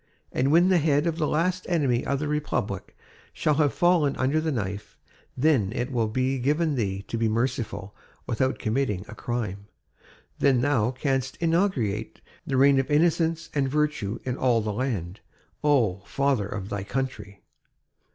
And when the head of the last enemy of the Republic shall have fallen under the knife, then it will be given thee to be merciful without committing a crime, then thou canst inaugurate the reign of innocence and virtue in all the land, oh! father of thy country!"